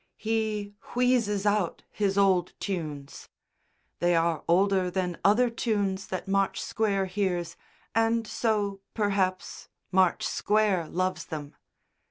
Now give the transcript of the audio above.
He wheezes out his old tunes (they are older than other tunes that March Square hears, and so, perhaps, March Square loves them).